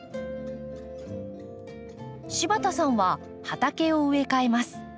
柴田さんは畑を植え替えます。